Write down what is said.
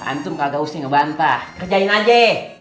antum kagak usti ngebantah kerjain aja